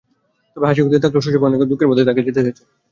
তবে হাসি-খুশিতে থাকলেও শৈশবে অনেক দুঃখের মধ্যে দিয়ে তাঁকে যেতে হয়েছে।